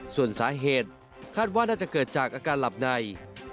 ส่วนสาเหตุคาดว่าน่าจะเกิดจากอาการหลับใน